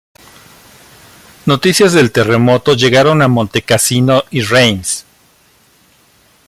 Noticias del terremoto llegaron a Montecassino y Reims.